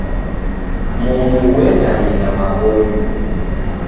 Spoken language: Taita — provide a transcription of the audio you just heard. Momu ghuendanye na mabonyo.